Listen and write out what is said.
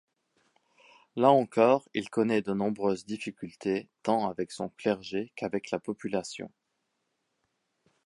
Là encore, il connaît de nombreuses difficultés tant avec son clergé qu'avec la population.